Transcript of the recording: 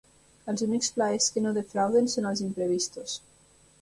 Els únics plaers que no defrauden són els imprevistos.